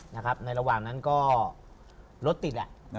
ในระหว่างนั้นก็รถติด